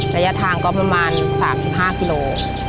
ระยะทางก็ประมาณ๓๕กิโล